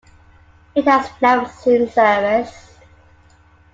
It has never seen service.